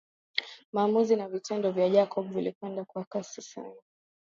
Maamuzi na vitendo vya Jacob vilikwenda kwa kasi sana